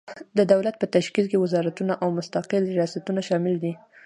د دولت په تشکیل کې وزارتونه او مستقل ریاستونه شامل دي.